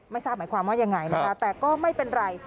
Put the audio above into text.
ทราบหมายความว่ายังไงนะคะแต่ก็ไม่เป็นไร